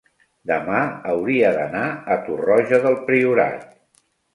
demà hauria d'anar a Torroja del Priorat.